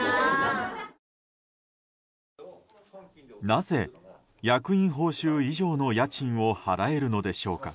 なぜ、役員報酬以上の家賃を払えるのでしょうか。